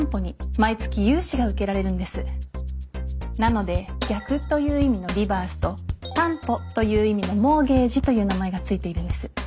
なので「逆」という意味の「リバース」と「担保」という意味の「モーゲージ」という名前が付いているんです。